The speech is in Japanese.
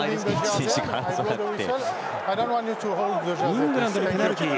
イングランドのペナルティ。